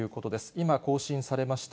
今、更新されました。